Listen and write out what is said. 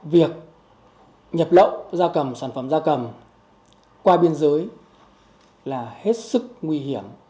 việc nhập lậu da cầm sản phẩm da cầm qua biên giới là hết sức nguy hiểm